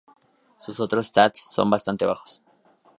Sus otros stats son bastante bajos.